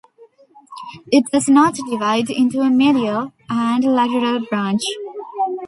It does not divide into a medial and lateral branch.